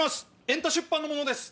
エンタ出版のものです。